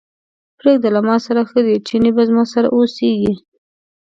پرېږده له ماسره ښه دی، چينی به زما سره اوسېږي.